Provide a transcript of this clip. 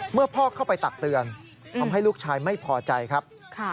พ่อเข้าไปตักเตือนทำให้ลูกชายไม่พอใจครับ